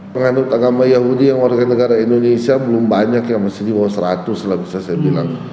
penganut agama yahudi yang warga negara indonesia belum banyak yang masih di bawah seratus lah bisa saya bilang